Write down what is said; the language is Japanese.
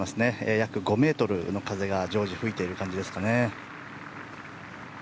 約５メートルの風が常時、吹いている感じですかね。